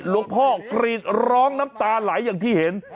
พ่อกรีดร้องน้ำตาไหลอย่างที่เห็น